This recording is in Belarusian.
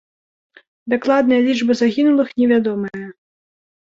Дакладная лічба загінулых невядомая.